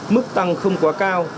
mức tăng không quá cao